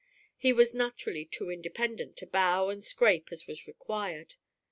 He was naturally too independent to bow and scrape as was required.